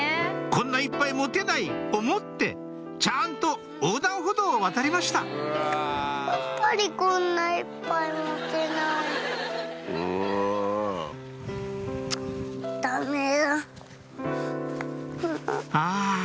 「こんないっぱい持てない」を持ってちゃんと横断歩道を渡りましたあぁ